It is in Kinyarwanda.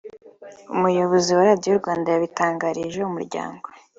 Umuyobozi wa Radio Rwanda yabitangarije Umuryango